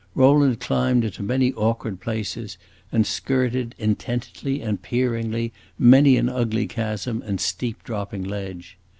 Rowland climbed into many awkward places, and skirted, intently and peeringly, many an ugly chasm and steep dropping ledge.